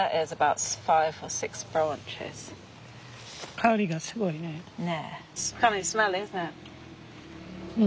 香りがすごいね。